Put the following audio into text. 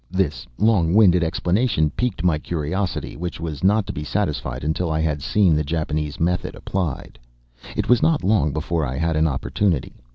This long winded explanation piqued my curiosity, which was not to be satisfied until I had seen the Japanese method applied. It was not long before I had an opportunity.